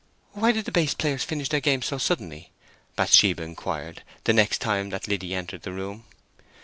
"Why did the base players finish their game so suddenly?" Bathsheba inquired, the next time that Liddy entered the room.